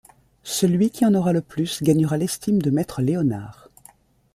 Celui qui en aura le plus gagnera l'estime de maître Léonard.